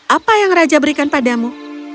apa yang raja berikan padamu